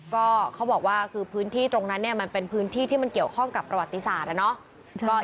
ก็เขาบอกว่าคือพื้นที่ตรงนั้นเนี่ยมันเป็นพื้นที่ที่มันเกี่ยวข้องกับประวัติศาสตร์อะเนาะ